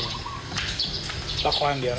รับความอย่างเดียวนะ